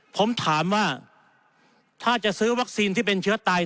ผมถามว่าถ้าจะซื้อวัคซีนที่เป็นเชื้อไต